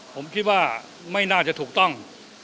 ผมคิดว่าไม่น่าจะถูกต้อง